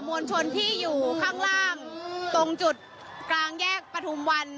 มวลชนที่อยู่ข้างล่างตรงจุดกลางแยกปฐุมวัน